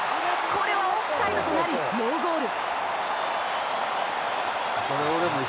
これは、オフサイドとなりノーゴール。